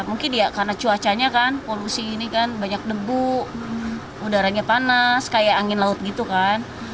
mungkin ya karena cuacanya kan polusi ini kan banyak debu udaranya panas kayak angin laut gitu kan